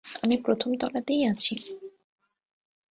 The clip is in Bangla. আমি প্রথম তলাতেই আছি।